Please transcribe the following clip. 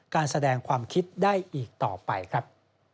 การแสดงความคิดได้อีกต่อไปครับ